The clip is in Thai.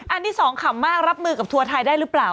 ที่สองขำมากรับมือกับทัวร์ไทยได้หรือเปล่า